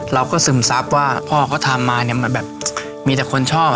เราก็ซึมซับว่าพ่อเขาทำมามันแบบมีแต่คนชอบ